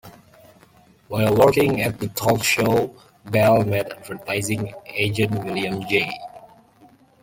While working at the talk show, Bell met advertising agent William J.